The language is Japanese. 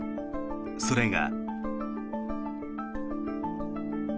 それが。